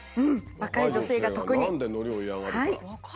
若い女性が何でのりを嫌がるか？